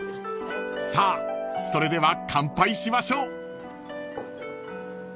［さあそれでは乾杯しましょう］